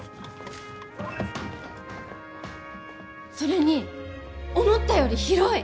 それに思ったより広い！